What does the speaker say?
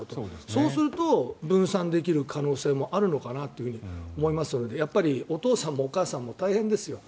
そうすると分散できる可能性もあるのかなと思いますのでやっぱりお父さんもお母さんも大変ですよ。